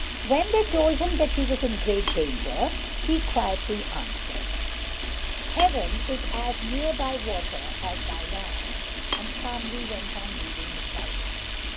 When they told him that he was in great danger, he quietly answered, "Heaven is as near by water as by land," and calmly went on reading his Bible.